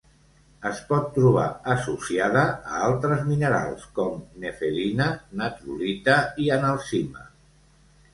Es pot trobar associada a altres minerals, com nefelina, natrolita i analcima.